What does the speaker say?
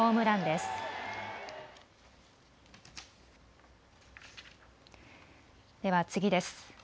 では次です。